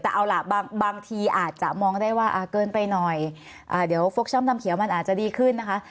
แต่เอาล่ะบางทีอาจจะมองได้ว่าเกินไปหน่อยเดี๋ยวฟกช่อมทำเขียวมันอาจจะดีขึ้นนะคะ